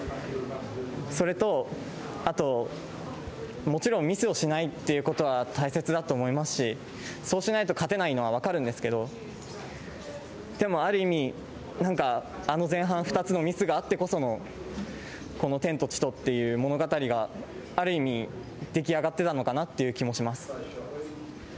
それと、あと、もちろん、ミスをしないっていうことは大切だと思いますし、そうしないと勝てないのは分かるんですけど、でも、ある意味、なんか、あの前半２つのミスがあってこその、この天と地とっていう物語がある意味、出来上がってたのかなっていう気もします。